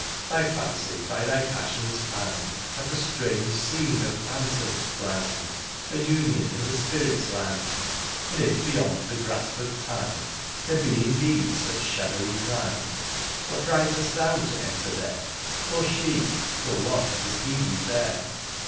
'^ Thy flEtncy, by thy passions fanned, *^ Hath a strange scene of phantoms planned, " A union in the spirit^s land ! "And if beyond the grasp of time *^ There be indeed such shadowy clime, *^ What right hast thou to enter there, " Or she, though once as Hebe fair